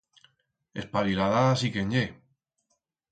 Espabilada sí que en ye.